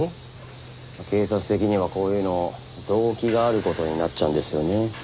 警察的にはこういうの動機がある事になっちゃうんですよね。